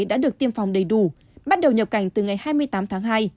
đã được tiêm phòng đầy đủ bắt đầu nhập cảnh từ ngày hai mươi tám tháng hai